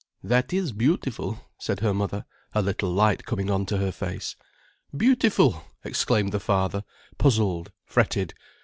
"That is beautiful," said her mother, a little light coming on to her face. "Beautiful!" exclaimed the father, puzzled, fretted.